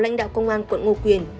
lãnh đạo công an quận ngô quyền